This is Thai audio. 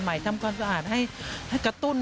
ไฟล์ใหม่ทำพ่อนสะอาดให้กระตุ้น